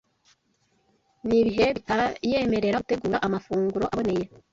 n’ibihe bitayemerera gutegura amafunguro aboneye